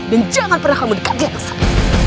dan jangan pernah mendekati ada saya